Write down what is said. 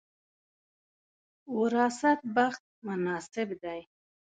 وراثت بخت مناسب دی.